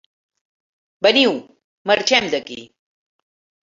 Veniu, marxem d'aquí!